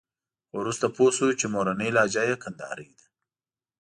خو وروسته پوه شو چې مورنۍ لهجه یې کندارۍ ده.